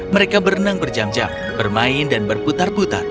mereka berenang berjam jam bermain dan berputar putar